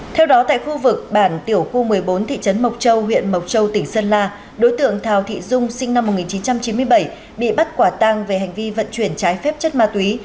theo đó tại khu vực bản tiểu khu một mươi bốn thị trấn mộc châu huyện mộc châu tỉnh sơn la đối tượng thào thị dung sinh năm một nghìn chín trăm chín mươi bảy bị bắt quả tang về hành vi vận chuyển trái phép chất ma túy